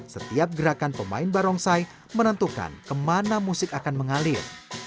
setiap gerakan pemain barongsai menentukan kemana musik akan mengalir